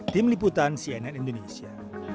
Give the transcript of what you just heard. tim liputan cnn indonesia